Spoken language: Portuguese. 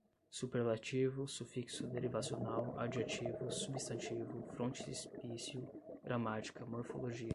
superlativo, sufixo derivacional, adjetivos, substantivo, frontispício, gramática, morfologia